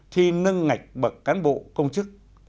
thi nâng ngạch bậc cán bộ công chức